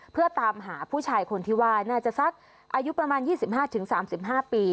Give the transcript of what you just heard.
เพื่อตามหาผู้ชายคนที่ว่าน่าจะสักอายุประมาณ๒๕๓๕ปี